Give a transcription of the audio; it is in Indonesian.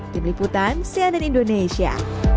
tim liputan cnn indonesia